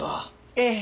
ええ。